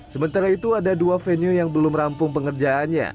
sementara itu ada dua venue yang belum rampung pengerjaannya